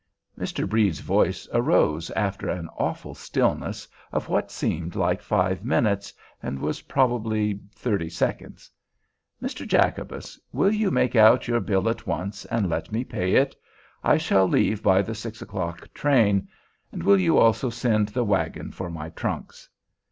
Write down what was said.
Mr. Brede's voice arose, after an awful stillness of what seemed like five minutes, and was, probably, thirty seconds: "Mr. Jacobus, will you make out your bill at once, and let me pay it? I shall leave by the six o'clock train. And will you also send the wagon for my trunks?"